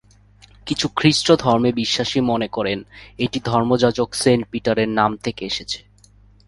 কিছু খ্রিস্ট ধর্মে বিশ্বাসী মনে করেন এটি ধর্মযাজক সেইন্ট পিটারের নাম থেকে এসেছে।